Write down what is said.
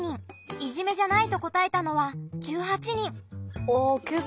いじめじゃないと答えたのは１８人。